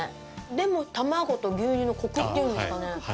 でも卵と牛乳のコクって言うんですかね